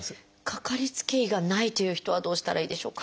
かかりつけ医がないという人はどうしたらいいでしょうか？